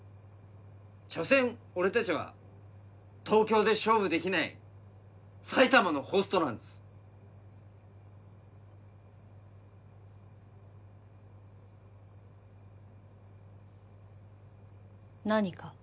所詮俺達は東京で勝負できない埼玉のホストなんです何か？